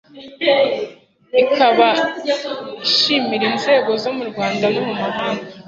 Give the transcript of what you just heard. ikaba ishimira inzego zo mu rwanda no mu mahanga